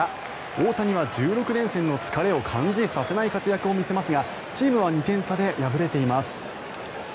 大谷は１６連戦の疲れを感じさせない活躍を見せますがチームは２点差で敗れています。